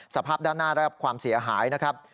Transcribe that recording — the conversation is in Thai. สภาพด้านหน้าได้รับความเสียหายนะครับ